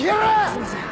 すいません。